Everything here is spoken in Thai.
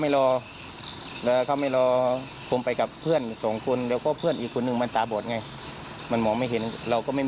และ